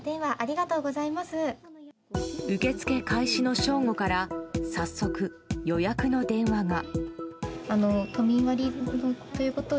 受け付け開始の正午から早速、予約の電話が。